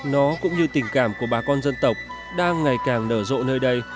nó cũng như tình cảm của bà con dân tộc đang ngày càng nở rộ nơi đây